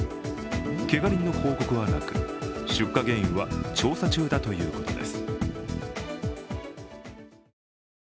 けが人の報告はなく、出火原因は調査中だということです。